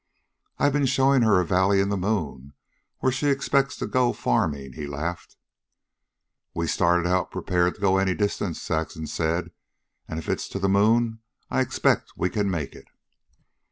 "I've been showing her a valley in the moon where she expects to go farming," he laughed. "We started out prepared to go any distance," Saxon said. "And if it's to the moon, I expect we can make it."